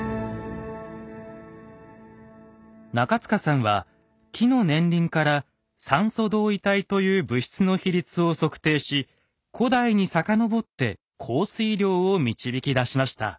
中塚さんは木の年輪から「酸素同位体」という物質の比率を測定し古代に遡って降水量を導き出しました。